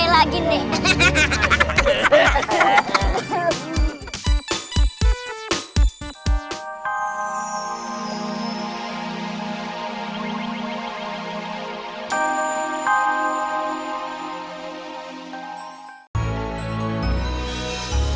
terus kuat tadi